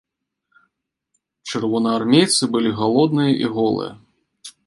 Чырвонаармейцы былі галодныя і голыя.